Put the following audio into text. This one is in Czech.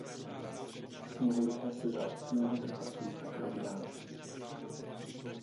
Sněhurka se za osmého trpaslíka provdá.